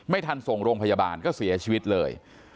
ทันส่งโรงพยาบาลก็เสียชีวิตเลย